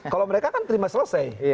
kalau mereka kan terima selesai